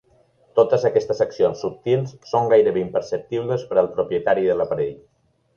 Totes aquestes accions subtils són gairebé imperceptibles per al propietari de l’aparell.